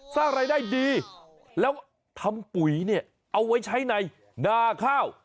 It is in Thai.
สร้างรายได้ดีแล้วทำปุ๋ยเนี่ยเอาไว้ใช้ในนาข้าว